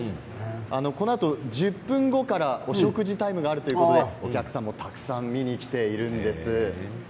このあと１０分後からお食事タイムがあるということでお客さんもたくさん見に来ているんです。